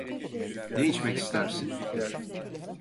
Ne içmek istersin?